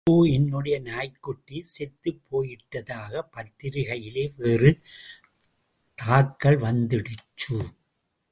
இப்போ என்னுடைய நாய்க்குட்டி செத்துப் போயிட்டதாக பத்திரிகையிலே வேறே தாக்கல் வந்திடுச்சு.